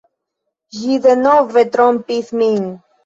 Ĝi denove trompis min.